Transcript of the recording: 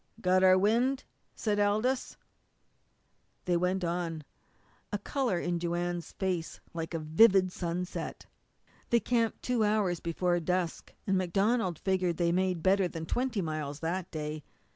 "Got our wind," said Aldous. They went on, a colour in Joanne's face like the vivid sunset. They camped two hours before dusk, and MacDonald figured they had made better than twenty miles that day.